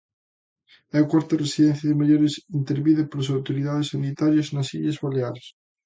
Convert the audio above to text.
É a cuarta residencia de maiores intervida polas autoridades sanitarias nas illas Baleares.